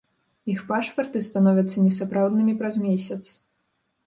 Іх пашпарты становяцца несапраўднымі праз месяц.